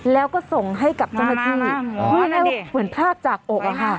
แล้วก็ส่งให้กับเจ้าหน้าที่เหมือนภาพจากอกอะค่ะ